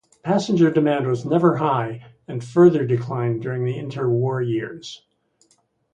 Passenger demand was never high and further declined during the inter-war years.